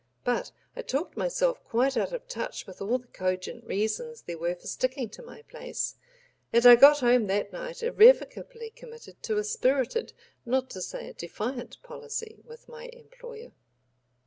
But I talked myself quite out of touch with all the cogent reasons there were for sticking to my place, and I got home that night irrevocably committed to a spirited—not to say a defiant—policy with my employer.